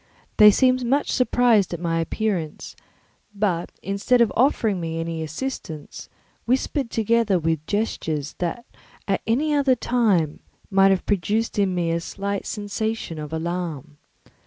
They seemed much surprised at my appearance, but instead of offering me any assistance, whispered together with gestures that at any other time might have produced in me a slight sensation of alarm.